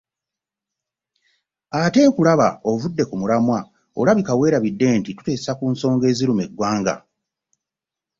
Ate nkulaba ovudde ku mulamwa olabika weerabidde ntu tuteesa ku nsonga eziruma eggwanga